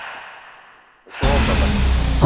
Me so wa beba